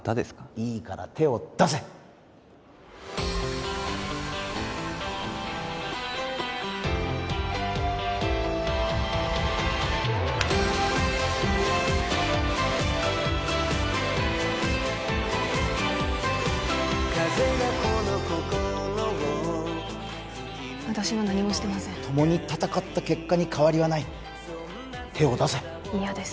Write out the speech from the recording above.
いいから手を出せ私は何もしてません共に戦った結果に変わりはない手を出せ嫌です